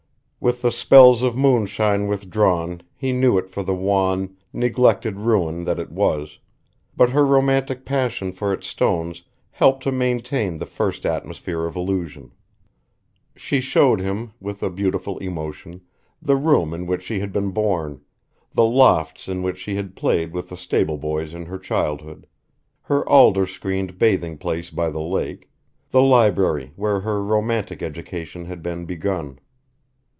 With the spells of moonshine withdrawn he knew it for the wan, neglected ruin that it was, but her romantic passion for its stones helped to maintain the first atmosphere of illusion. She showed him, with a beautiful emotion, the room in which she had been born, the lofts in which she had played with the stableboys in her childhood, her alder screened bathing place by the lake, the library where her romantic education had been begun.